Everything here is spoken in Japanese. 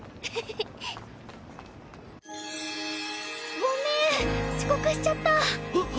ごめん遅刻しちゃった。